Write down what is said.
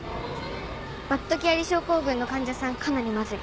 バッド・キアリ症候群の患者さんかなりまずい。